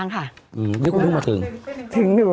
นึกว่าคุณเท